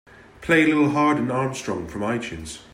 Play Lil Hardin Armstrong from Itunes.